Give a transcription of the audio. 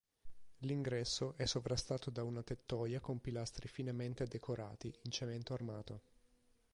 L'ingresso è sovrastato da una tettoia con pilastri finemente decorati in cemento armato.